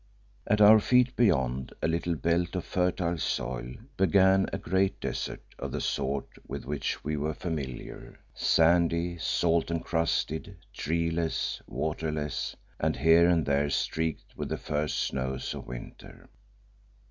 At our feet beyond a little belt of fertile soil, began a great desert of the sort with which we were familiar sandy, salt encrusted, treeless, waterless, and here and there streaked with the first snows of winter.